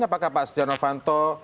apakah pak sidenovanto